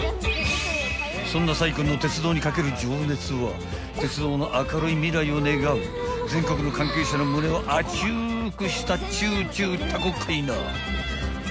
［そんな宰君の鉄道にかける情熱は鉄道の明るい未来を願う全国の関係者の胸を熱くしたっちゅちゅタコかいな］